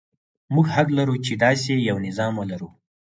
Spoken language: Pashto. موږ حق لرو چې داسې یو نظام ولرو.